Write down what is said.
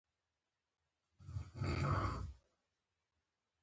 د بزګانو د اړتیاوو پوره کولو لپاره ځانګړي اقدامات کېږي.